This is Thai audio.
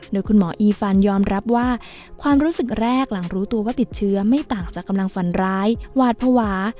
โดยคุณหมออีฟันยอมรับว่าความรู้สึกแรกหลังรู้ตัวว่าติดเชื้อไม่ต่างจากกำลังฝันร้ายหวาดภาวะ